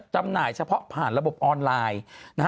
จำหน่ายเฉพาะผ่านระบบออนไลน์